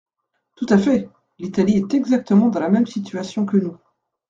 Tout à fait ! L’Italie est exactement dans la même situation que nous.